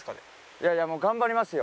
いやいやもう頑張りますよ。